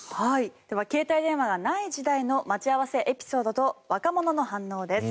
では携帯電話がない時代の待ち合わせエピソードと若者の反応です。